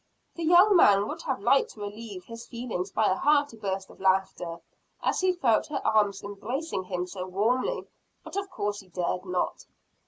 The young man would have liked to relieve his feelings by a hearty burst of laughter, as he felt her arms embracing him so warmly, but of course he dared not.